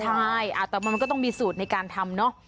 ใช่แต่มันก็ต้องมีสูตรในการทำเนอะ